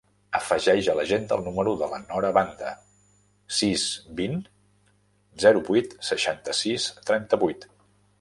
Afegeix a l'agenda el número de la Nora Banda: sis, vint, zero, vuit, seixanta-sis, trenta-vuit.